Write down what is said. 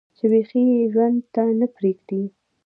چې بيخي ئې ژوند ته نۀ پرېږدي